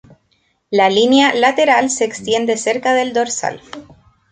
La línea lateral se extiende cerca del dorsal.